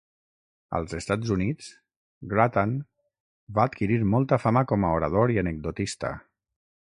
Als Estats Units, Grattan va adquirir molta fama com a orador i anecdotista.